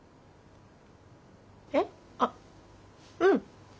えあっうん。